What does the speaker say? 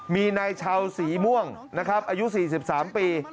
มีนายชาวสีม่วงนะครับอายุ๔๓ปี